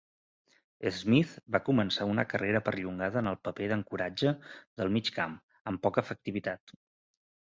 Smith va començar una carrera perllongada en el paper d'"ancoratge" del mig camp, amb poca efectivitat.